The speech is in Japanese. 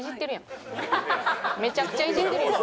めちゃくちゃイジってるやん。